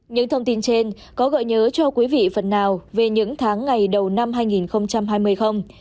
những thông tin trên có gợi nhớ cho quý vị phần nào về những tháng ngày đầu năm hai nghìn hai mươi không